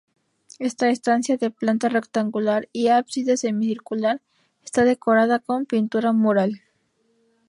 Esta estancia, de planta rectangular y ábside semicircular está decorada con pintura mural.